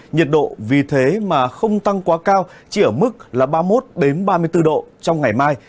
nhiệt độ vì thế mà không tăng quá cao chỉ ở mức là ba mươi một ba mươi bốn độ trong ngày mai